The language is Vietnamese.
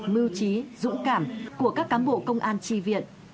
mưu trí dũng cảm của các cán bộ công an tri viện